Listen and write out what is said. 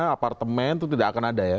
apartemen itu tidak akan ada ya